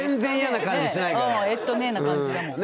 えっとねな感じだもん。